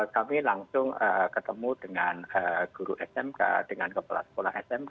kami langsung ketemu dengan guru smk dengan kepala sekolah smk